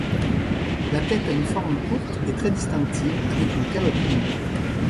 La tête a une forme courte et très distinctive avec une calotte ronde.